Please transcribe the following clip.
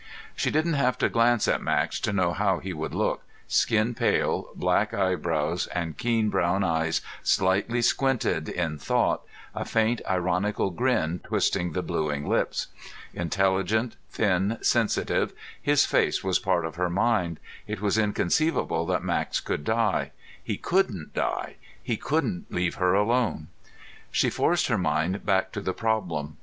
She didn't have to glance at Max to know how he would look skin pale, black eyebrows and keen brown eyes slightly squinted in thought, a faint ironical grin twisting the bluing lips. Intelligent, thin, sensitive, his face was part of her mind. It was inconceivable that Max could die. He couldn't die. He couldn't leave her alone. She forced her mind back to the problem.